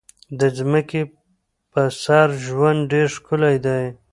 د ځمکې په سر ژوند ډېر ښکلی دی.